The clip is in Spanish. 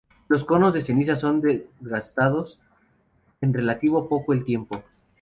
Los conos de cenizas son desgastados en relativo poco el tiempo.